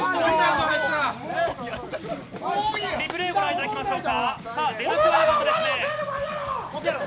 リプレーご覧いただきましょう。